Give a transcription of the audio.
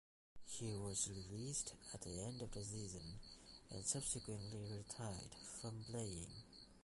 He was released at the end of the season and subsequently retired from playing.